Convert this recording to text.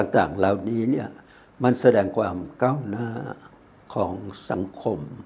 ต่างเหล่านี้มันแสดงความก้าวหน้าของสังคม